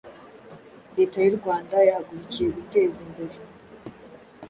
Leta y’u Rwanda yahagurukiye guteza imbere